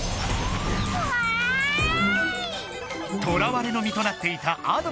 とらわれの身となっていたあ